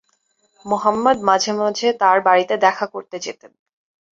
মুহাম্মাদ মাঝে মাঝে তার বাড়িতে দেখা করতে যেতেন।